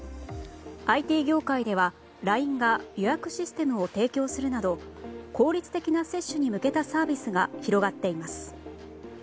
ＩＴ業界では、ＬＩＮＥが予約システムを提供するなど効率的な接種に向けたサービスが広まっています。